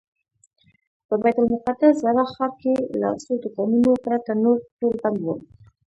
په بیت المقدس زاړه ښار کې له څو دوکانونو پرته نور ټول بند و.